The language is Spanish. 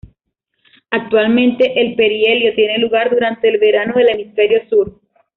Actualmente, el perihelio tiene lugar durante el verano del hemisferio sur.